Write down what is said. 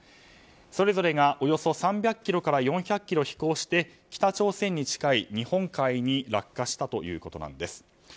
それぞれがおよそ３００ｋｍから４００ｋｍ飛行して北朝鮮に近い日本海に落下したということです。